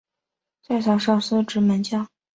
在场上司职门将。